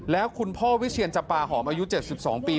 แล้วคุณพ่อวิเชียนจำปาหอมอายุ๗๒ปี